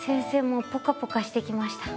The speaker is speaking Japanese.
もうポカポカしてきました。